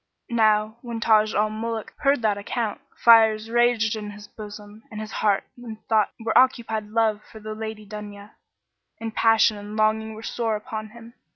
Now when Taj al Muluk heard that account, fires raged in his bosom and his heart and thought were occupied love for the Lady Dunya; and passion and longing were sore upon him.